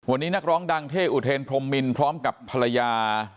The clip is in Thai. วันนี้นักร้องดังเท่อุเทนพรมมินพร้อมกับภรรยา